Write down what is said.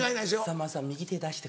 さんまさん右手出して。